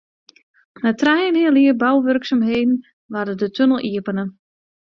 Nei trije en in heal jier bouwurksumheden waard de tunnel iepene.